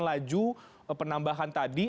laju penambahan tadi